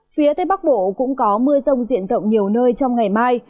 phía tây bắc bộ cũng có mưa rông diện rộng nhiều nơi trong ngày mai